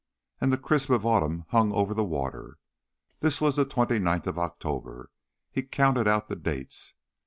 And the crisp of autumn hung over the water. This was the twenty ninth of October; he counted out the dates.